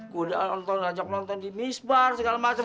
gue udah ajak nonton di misbar segala macam